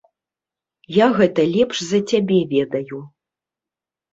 Я гэта лепш за цябе ведаю.